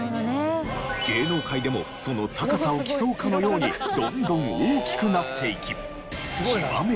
芸能界でもその高さを競うかのようにどんどん大きくなっていき。